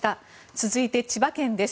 続いて、千葉県です。